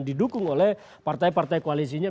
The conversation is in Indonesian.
didukung oleh partai partai koalisinya